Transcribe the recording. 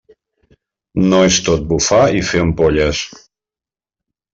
No tot és bufar i fer ampolles.